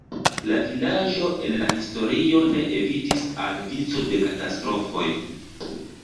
La vilaĝo en la historio ne evitis al vico de katastrofoj.